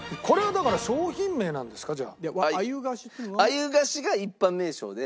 鮎菓子が一般名称で。